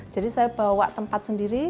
jadi saya bawa tempat sendiri